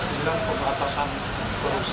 di dalam pemberantasan korupsi